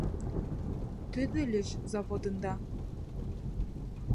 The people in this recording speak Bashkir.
Төҙөлөш заводында